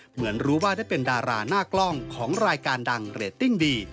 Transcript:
เหมือนรู้ว่าได้เป็นดาราหน้ากล้องของรายการดังเรตติ้งดี